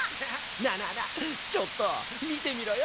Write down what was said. なあなあなあちょっとみてみろよ。